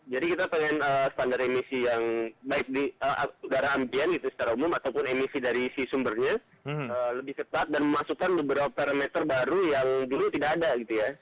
jadi kita pengen standar emisi yang baik di darah ambien gitu secara umum ataupun emisi dari isi sumbernya lebih ketat dan memasukkan beberapa parameter baru yang dulu tidak ada gitu ya